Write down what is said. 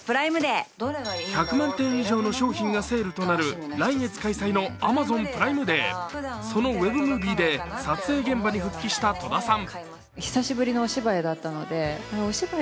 １００万点以上の商品がセールとなる、来月開催のＡｍａｚｏｎプライムデー、そのウェブムービーで撮影現場に復帰した戸田さん。